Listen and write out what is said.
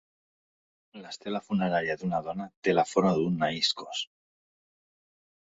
L'estela funerària d'una dona té la forma d'un naiskos.